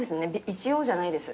「一応」じゃないです。